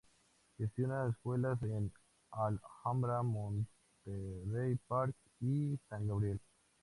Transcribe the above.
Gestiona escuelas en Alhambra, Monterey Park, y San Gabriel.